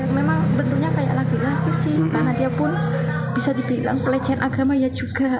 memang bentuknya kayak laki laki sih karena dia pun bisa dibilang pelecehan agama ya juga